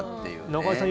中居さん